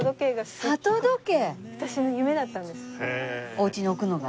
おうちに置くのが？